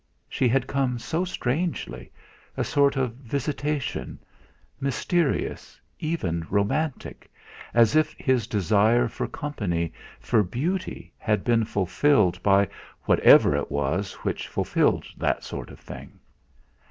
She had come so strangely a sort of visitation; mysterious, even romantic, as if his desire for company, for beauty, had been fulfilled by whatever it was which fulfilled that sort of thing.